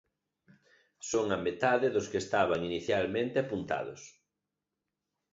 Son a metade dos que estaban inicialmente apuntados.